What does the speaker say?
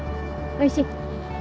おいしい？